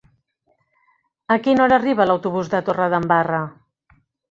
A quina hora arriba l'autobús de Torredembarra?